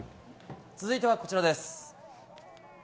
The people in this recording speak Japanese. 続いてはこちらです。